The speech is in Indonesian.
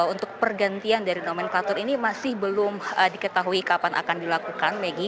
untuk pergantian dari nomenklatur ini masih belum diketahui kapan akan dilakukan megi